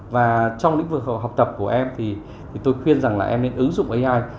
và trong lĩnh vực học tập của em thì tôi khuyên rằng là em nên ứng dụng ai